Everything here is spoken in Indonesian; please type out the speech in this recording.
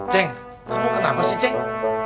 ceng kamu kenapa sih ceng